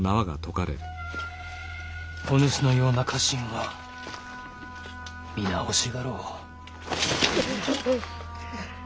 お主のような家臣は皆欲しがろう。